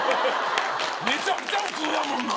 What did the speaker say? めちゃくちゃ普通やもんな。